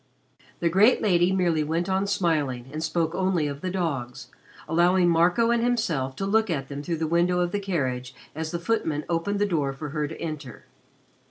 The great lady merely went on smiling, and spoke only of the dogs, allowing Marco and himself to look at them through the window of the carriage as the footman opened the door for her to enter.